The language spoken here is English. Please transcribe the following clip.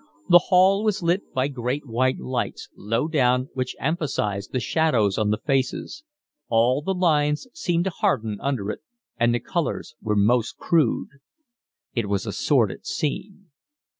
The hall was lit by great white lights, low down, which emphasised the shadows on the faces; all the lines seemed to harden under it, and the colours were most crude. It was a sordid scene.